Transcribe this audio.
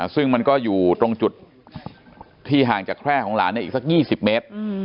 ซึ่งมันก็อยู่ตรงจุดที่ห่างจากแคร่ของหลานอีกสัก๒๐เมตร